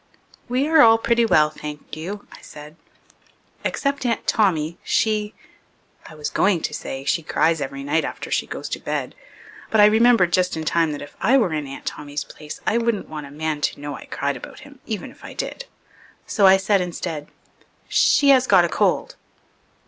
"We are all pretty well; thank you," I said, "except Aunt Tommy. She " I was going to say, "She cries every night after she goes to bed," but I remembered just in time that if I were in Aunt Tommy's place I wouldn't want a man to know I cried about him even if I did. So I said instead " she has got a cold."